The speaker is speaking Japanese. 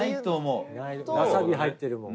横尾：わさび、入ってるもん。